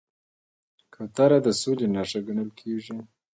کوتره د سولې نښه ګڼل کېږي.